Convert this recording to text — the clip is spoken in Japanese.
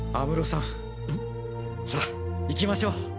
さあ行きましょう。